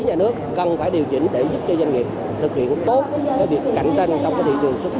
các nhà nước cần phải điều chỉnh để giúp cho doanh nghiệp thực hiện tốt việc cạnh tranh trong thị trường xuất khẩu